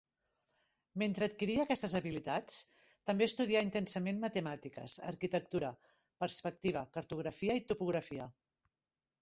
Mentre adquiria aquestes habilitats, també estudià intensament matemàtiques, arquitectura, perspectiva, cartografia i topografia.